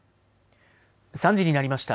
３時になりました。